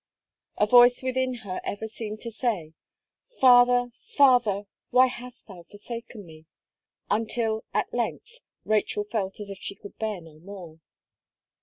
A voice within her ever seemed to say: "Father, Father why hast thou forsaken me!" until, at length, Rachel felt as if she could bear no more.